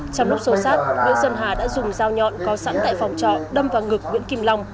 trong lúc xô xác nguyễn xuân hà đã dùng dao nhọn có sẵn tại phòng trọ đâm vào ngực nguyễn kim long